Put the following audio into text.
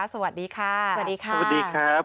สวัสดีค่ะสวัสดีค่ะสวัสดีครับ